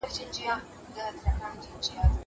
لاس د زهشوم له خوا مينځل کيږي!